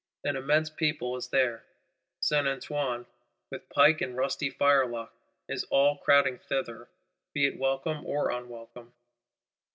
An "immense people" is there; Saint Antoine, with pike and rusty firelock, is all crowding thither, be it welcome or unwelcome.